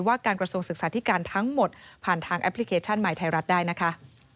การกระทรวงศึกษาธิการทั้งหมดผ่านทางแอปพลิเคชันใหม่ไทยรัฐได้นะคะ